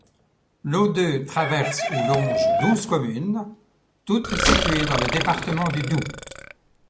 L'Audeux traverse ou longe douze communes, toutes situées dans le département du Doubs.